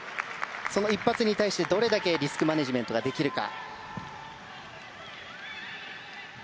その一発に対してどれだけリスクマネジメントができるか。